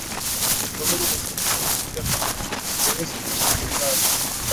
ni pamoja na Simenti mafuta ya mawese mchele sukari